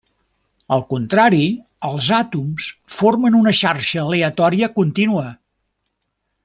Al contrari, els àtoms formen una xarxa aleatòria contínua.